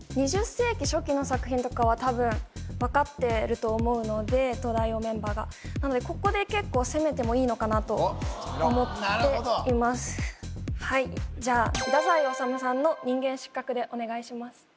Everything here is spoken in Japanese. ２０世紀初期の作品とかはたぶん分かってるのと思うので東大王がメンバーがなのでここで結構攻めてもいいのかなと思っていますなるほどはいじゃあ太宰治さんの「人間失格」でお願いします